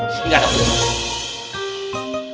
sini pak dek